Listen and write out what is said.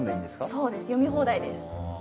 そうです、読み放題です。